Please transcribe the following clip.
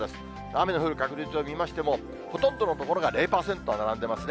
雨の降る確率を見ましても、ほとんどの所が０％並んでいますね。